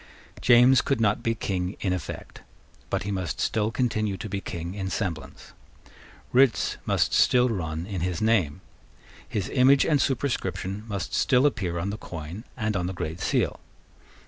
James could not be King in effect: but he must still continue to be King in semblance. Writs must still run in his name. His image and superscription must still appear on the coin and on the Great Seal.